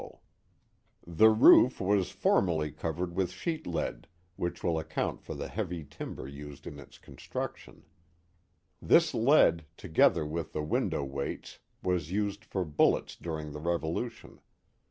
ISO The Mohawk Valley The roof was formerly covered with sheet lead, which will account for the heavy timber used in its construction. This lead, together with the window weights, was used for bullets during the Revolution.